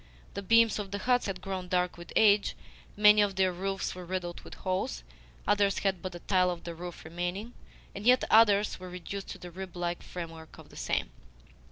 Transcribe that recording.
The beams of the huts had grown dark with age, many of their roofs were riddled with holes, others had but a tile of the roof remaining, and yet others were reduced to the rib like framework of the same.